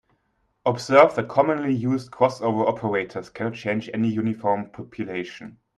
Observe that commonly used crossover operators cannot change any uniform population.